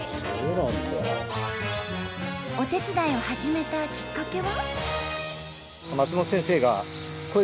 お手伝いを始めたきっかけは？